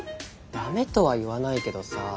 ダメとは言わないけどさ。